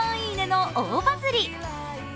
「いいね」の大バズり。